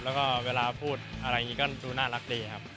แล้วก็เวลาพูดอะไรอย่างนี้ก็ดูน่ารักดีครับ